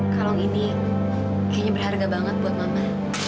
kalau ini kayaknya berharga banget buat mama